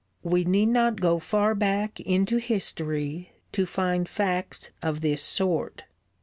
We need not go far back into history to find facts of this sort.